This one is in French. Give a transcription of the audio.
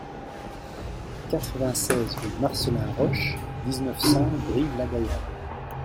quatre-vingt-seize rue Marcelin Roche, dix-neuf, cent, Brive-la-Gaillarde